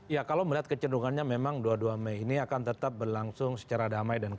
ya kalau melihat kecenderungannya memang dua puluh dua mei ini akan tetap berlangsung secara damai